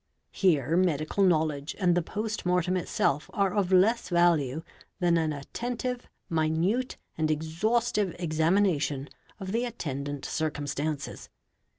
Here _ medical knowledge and the post mortem itself are of less value than an attentive, minute, and exhaustive examination of the attendant circum _ stances.